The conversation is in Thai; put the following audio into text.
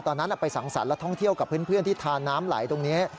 ตอนนั้นไปสังสรรค์และท่องเที่ยวกับเพื่อนที่ทานน้ำไหลตรงนี้